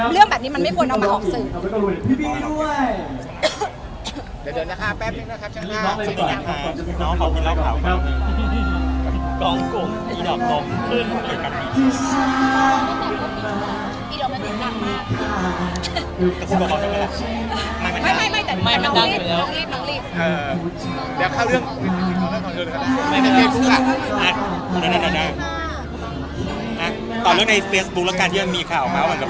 เรื่องแบบนี้มันไม่ควรเอามาออกสื่อด้วย